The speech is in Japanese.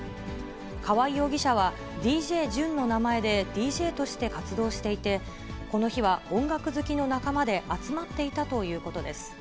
川合容疑者は、ＤＪジュンの名前でＤＪとして活動していて、この日は音楽好きの仲間で集まっていたということです。